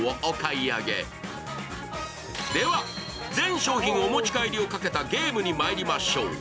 全商品お持ち帰りをかけたゲームにまいりましょう。